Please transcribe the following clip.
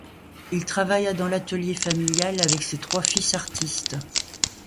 Il travailla dans l'atelier familial avec ses trois fils artistes.